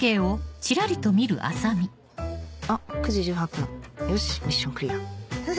あっ９時１８分よしミッションクリア先生